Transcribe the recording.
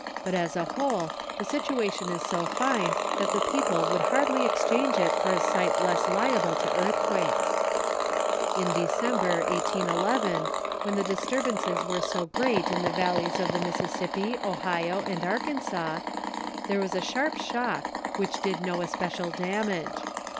But as a whole, the situation is so fine that the people would hardly exchange it for a site less liable to earthquakes. In December, 1811, when the disturbances were so great in the valleys of the Mississippi, Ohio and Arkansas, there was a sharp shock, which did no especial damage.